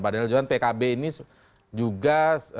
pak daniel johan pkb ini juga